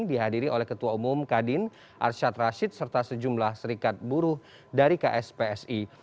dihadiri oleh ketua umum kadin arsyad rashid serta sejumlah serikat buruh dari kspsi